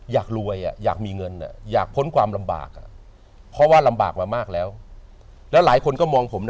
อยากรวยอะอยากมีเงินเนี้ยอยากพ้นความลำบาก